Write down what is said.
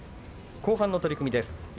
後半の取組です。